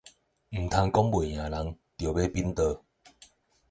毋通講袂贏人就欲反桌